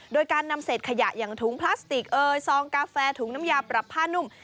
โดยการนำเศษขยะอย่างถุงพลาสติกเอยซองกาแฟถุงน้ำยาปรับผ้านุ่ม